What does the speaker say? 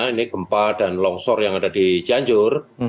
ini gempa dan longsor yang ada di cianjur